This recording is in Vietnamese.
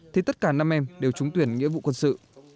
thì tất cả năm em đều trúng tuyển nghĩa vụ quân sự